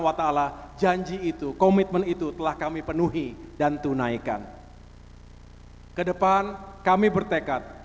pada kesempatan yang baik ini saya juga perlu menyampaikan kepada seluruh kader partai demokrat